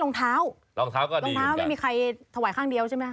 รองเท้าไม่มีใครถวายข้างเดียวใช่ไหม